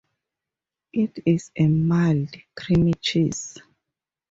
It is a mild, creamy cheese.